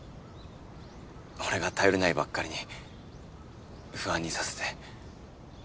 俺が頼りないばっかりに不安にさせて。